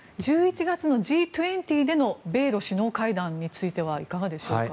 １１月のＧ２０での米ロ首脳会談についてはいかがでしょうか。